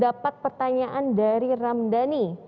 dapat pertanyaan dari ramdhani